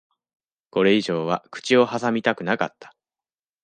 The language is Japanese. これ以上は口を挟みたくなかった。